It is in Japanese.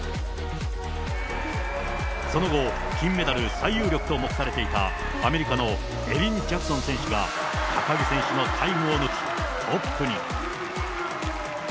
その後、金メダル最有力と目されていたアメリカのエリン・ジャクソン選手が、高木選手のタイムを抜き、トップに。